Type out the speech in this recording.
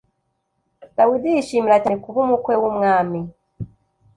Dawidi yishimira cyane kuba umukwe w’umwami.